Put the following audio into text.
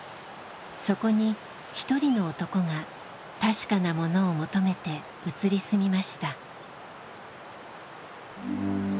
そこに一人の男が「確かなもの」を求めて移り住みました。